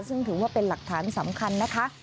ซึ่งถือว่าเป็นหลักฐานสำคัญนะคะ